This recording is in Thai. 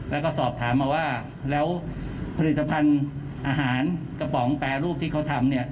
แล้วก็สอบถามมาว่าแล้วผลิตภัณฑ์อาหารกระป๋องแปรรูปที่เขาทำเนี่ย